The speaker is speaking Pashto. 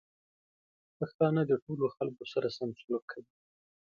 پښتانه د ټولو خلکو سره سم سلوک کوي.